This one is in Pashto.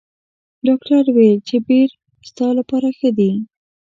ډاکټر ویل چې بیر ستا لپاره ښه دي.